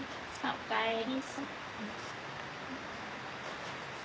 おかえり。